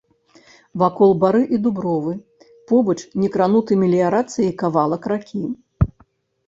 Вакол бары і дубровы, побач некрануты меліярацыяй кавалак ракі.